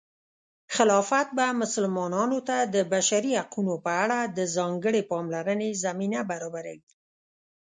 خلافت به مسلمانانو ته د بشري حقونو په اړه د ځانګړې پاملرنې زمینه برابروي.